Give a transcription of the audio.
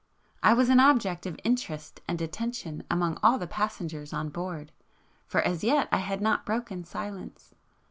I was an object of interest and attention among all the passengers on board, for as yet I had [p 479] not broken silence.